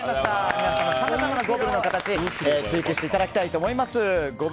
皆さん、さまざまなゴブルの形追求していただきたいです。